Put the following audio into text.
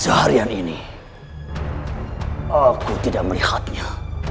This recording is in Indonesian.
seharian ini aku tidak melihatnya